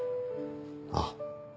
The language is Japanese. ああ。